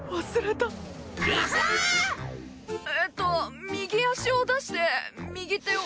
えっと右足を出して右手を。